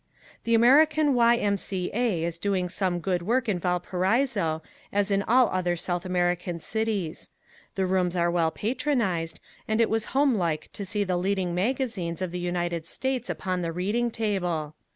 The American Y. M. C. A. is doing some good work in Valparaiso, as in all other South American cities. The rooms are well patronized and it was homelike to see the leading magazines of the United States upon the reading table.